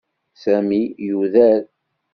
Sami yuder.